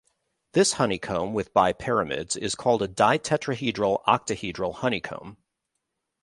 This honeycomb with bipyramids is called a ditetrahedral-octahedral honeycomb.